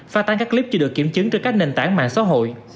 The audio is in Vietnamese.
pha tán các clip chưa được kiểm chứng trên các nền tảng mạng xã hội